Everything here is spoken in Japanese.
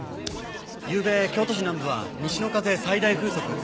ゆうべ京都市南部は西の風最大風速１．５メートル。